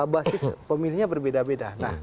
basis pemilihnya berbeda beda